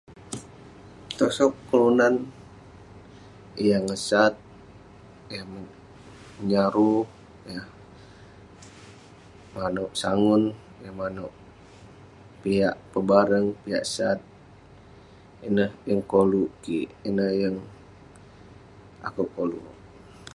Tosok kelunan yah ngesat, yah menyaru, yah manuek sagun, yah manuek piak pebareng piak sat ineh yeng koluek kik ineh yeng akuek koluk.